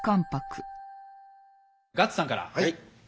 ガッツさんから。